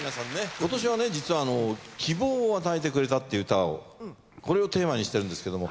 今年はね実は希望を与えてくれたって歌をこれをテーマにしてるんですけども。